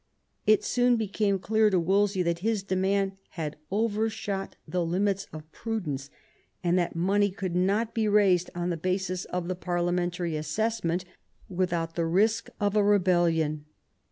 It soon became clear to Wolsey that his demand had overshot the limits of prudence, and that money could not be raised on the basis of the parliamentary assessment without the risk of a rebellion.